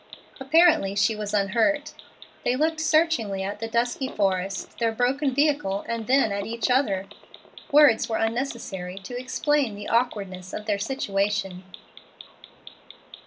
Apparently she was unhurt. They looked searchingly at the dusky forest, their broken vehicle, and then at each other. Words were unnecessary to explain the awkwardness of their situation.